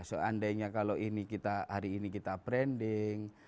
seandainya kalau hari ini kita branding